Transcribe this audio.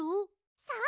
そう。